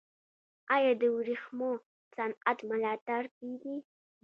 آیا د ورېښمو صنعت ملاتړ کیږي؟